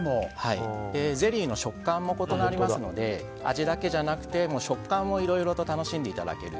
ゼリーの食感も異なりますので味だけじゃなくて食感もいろいろと楽しんでいただける。